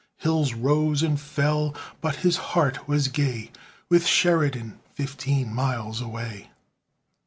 Hills rose and fell, but his heart was gay, With Sheridan fifteen miles away.